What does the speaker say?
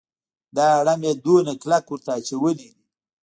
دا اړم یې دومره کلک ورته اچولی دی.